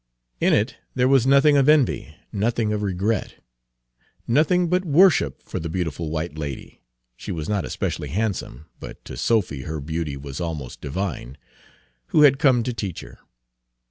In it there was nothing of envy, nothing of regret; nothing but worship for the beautiful white lady she was not especially handsome, but to Sophy her beauty was Page 276 almost divine who had come to teach her.